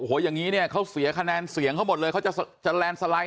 โอ้โหอย่างนี้เนี่ยเขาเสียคะแนนเสียงเขาหมดเลยเขาจะแลนด์สไลด์